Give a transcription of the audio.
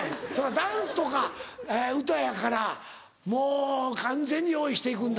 ダンスとか歌やからもう完全に用意して行くんだ。